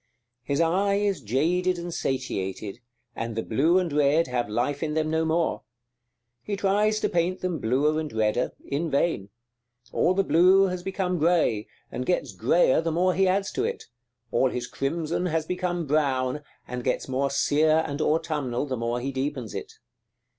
His eye is jaded and satiated, and the blue and red have life in them no more. He tries to paint them bluer and redder, in vain: all the blue has become grey, and gets greyer the more he adds to it; all his crimson has become brown, and gets more sere and autumnal the more he deepens it.